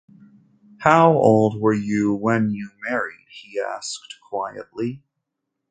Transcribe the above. “How old were you when you married?” he asked quietly.